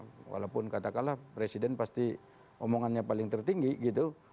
mestinya kalau kita sudah dianggap presiden pasti omongannya paling tertinggi gitu